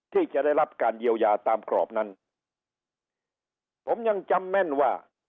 ที่จะได้รับการเยียวยาตามกรอบนั้นผมยังจำแม่นว่า